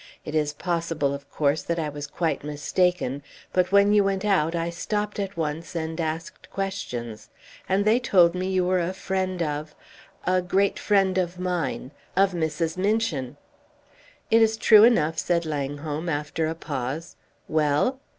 It is possible, of course, that I was quite mistaken; but when you went out I stopped at once and asked questions. And they told me you were a friend of a great friend of mine of Mrs. Minchin!" "It is true enough," said Langholm, after a pause. "Well?"